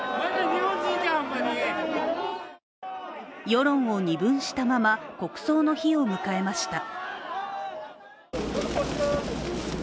世論を二分したまま、国葬の日を迎えました。